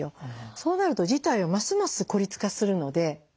そうなると事態はますます孤立化するので。